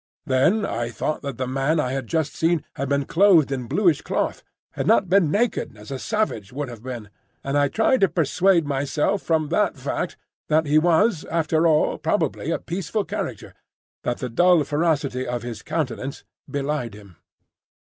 Then I thought that the man I had just seen had been clothed in bluish cloth, had not been naked as a savage would have been; and I tried to persuade myself from that fact that he was after all probably a peaceful character, that the dull ferocity of his countenance belied him.